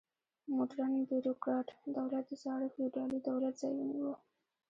موډرن بیروکراټ دولت د زاړه فیوډالي دولت ځای ونیو.